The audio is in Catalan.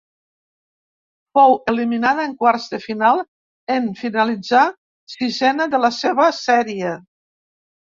Fou eliminada en quarts de final en finalitzar sisena de la seva sèrie.